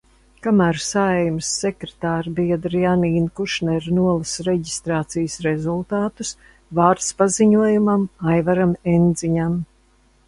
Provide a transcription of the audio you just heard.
Kamēr Saeimas sekretāra biedre Janīna Kušnere nolasa reģistrācijas rezultātus, vārds paziņojumam Aivaram Endziņam.